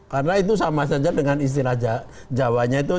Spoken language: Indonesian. karena itu sama saja dengan istilah jawanya itu